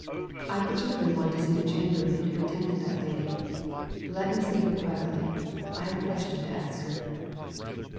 I particularly want to see the chambermaid who attended that lady. Let me see her privately I've a question to ask her."